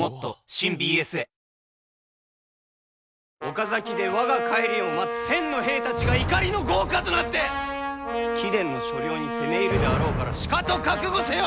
岡崎で我が帰りを待つ１，０００の兵たちが怒りの業火となって貴殿の所領に攻め入るであろうからしかと覚悟せよ！